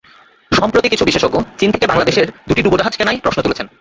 সম্প্রতি কিছু বিশেষজ্ঞ চীন থেকে বাংলাদেশ দুটি ডুবোজাহাজ কেনায় প্রশ্ন তুলেছেন।